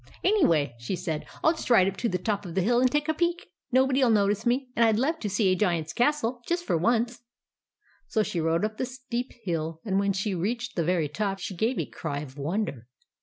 " Anyway," she said, " I '11 just ride up to the top of the hill and take a peep. No body '11 notice me ; and I 'd love to see a Giant's castle, just for once." So she rode up the steep hill, and when she reached the very top she gave a cry of wonder.